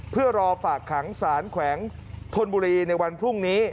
เพื่อรอฝากขังสารแขวงธนบุรีในวันพรุ่งนี้